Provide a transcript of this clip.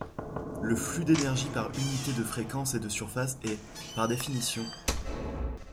Le flux d'énergie par unité de fréquence et de surface est, par définition,